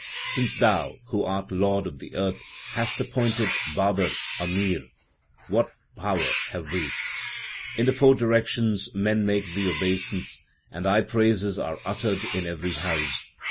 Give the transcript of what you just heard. Since Thou, who art Lord of the earth hast appointed Babar a Mir, 3 what power have we ? In the four directions men make Thee obeisance, and Thy praises are uttered in every house.